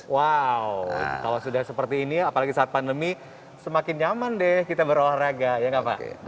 wow kalau sudah seperti ini apalagi saat pandemi semakin nyaman deh kita berolahraga ya gak apa apa